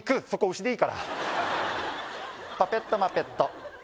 「そこウシでいいから」「パペットマペット」